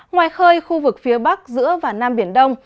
ngoài khơi khu vực phía bắc giữa và nam biển đông